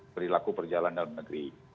perilaku perjalanan dalam negeri